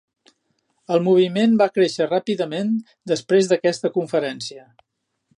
El moviment va créixer ràpidament després d'aquesta conferència.